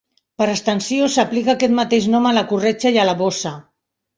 Per extensió, s'aplica aquest mateix nom a la corretja i a la bossa.